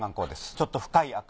ちょっと深い赤。